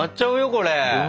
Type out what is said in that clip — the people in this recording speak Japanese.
これ。